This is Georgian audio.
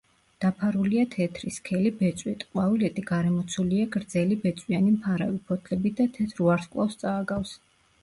დაფარულია თეთრი, სქელი ბეწვით; ყვავილედი გარემოცულია გრძელი, ბეწვიანი მფარავი ფოთლებით და თეთრ ვარსკვლავს წააგავს.